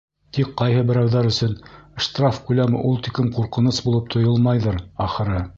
Тик ҡайһы берәүҙәр өсөн штраф күләме ул тиклем ҡурҡыныс булып тойолмайҙыр, ахыры.